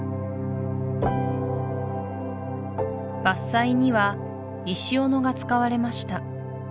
伐採には石斧が使われました